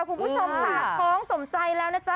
คุณผู้ชมค่ะท้องสมใจแล้วนะจ๊ะ